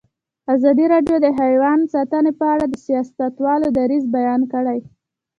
ازادي راډیو د حیوان ساتنه په اړه د سیاستوالو دریځ بیان کړی.